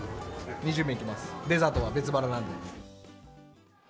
２巡目いきます、デザートは別腹なんで。